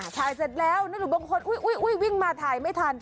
ถ่ายเสร็จแล้วนั่นหรือบางคนวิ่งมาถ่ายไม่ทัน